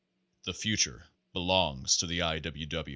The future belongs to the I. W.